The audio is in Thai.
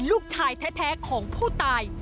ลูกชายแท้ของผู้ตาย